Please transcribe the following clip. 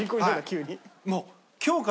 急に。